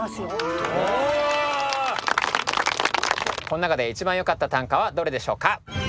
この中で一番よかった短歌はどれでしょうか？